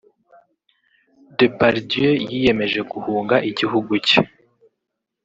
Depardieu yiyemeje guhunga igihugu cye